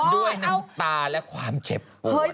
ด้วยน้ำตาและความเจ็บปวด